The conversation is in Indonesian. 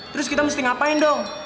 terus kita mesti ngapain dong